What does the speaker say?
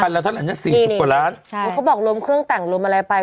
คันละเท่านั้น๔๐กว่าล้านเขาบอกลมเครื่องต่างลมอะไรไป